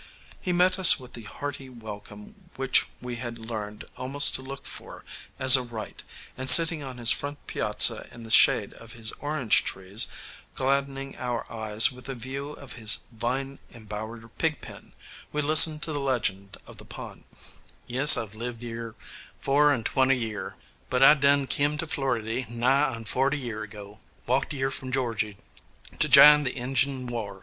He met us with the hearty welcome which we had learned almost to look for as a right, and sitting on his front piazza in the shade of his orange trees, gladdening our eyes with the view of his vine embowered pigpen, we listened to the legend of the pond: "Yes, I've lived yere four and twenty year, but I done kim to Floridy nigh on forty year ago: walked yere from Georgy to jine the Injun war.